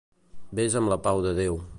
Ves amb la pau de Déu.